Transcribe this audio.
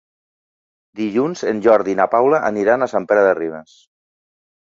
Dilluns en Jordi i na Paula aniran a Sant Pere de Ribes.